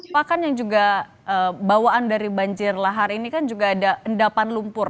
pak kan yang juga bawaan dari banjir lahar ini kan juga ada endapan lumpur